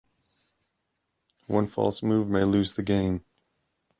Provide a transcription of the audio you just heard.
One false move may lose the game.